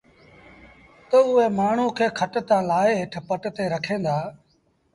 تا اُئي مآڻهوٚٚݩ کي کٽ تآݩ لآهي هيٺ پٽ تي رکين دآ